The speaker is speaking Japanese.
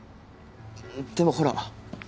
でもほら。